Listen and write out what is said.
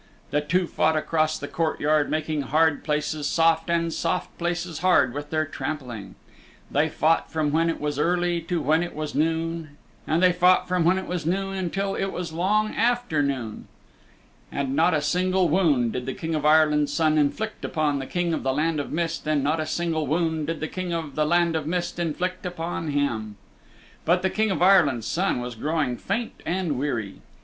The two fought across the courtyard making hard places soft and soft places hard with their trampling. They fought from when it was early to when it was noon, and they fought from when it was noon until it was long afternoon. And not a single wound did the King of Ireland's Son inflict upon the King of the Land of Mist, and not a single wound did the King of the Land of Mist inflict upon him. But the King of Ireland's Son was growing faint and weary.